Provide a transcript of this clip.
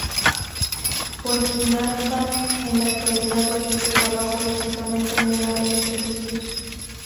Cuajimalpa en la actualidad ofrece trabajo básicamente en el área de servicios.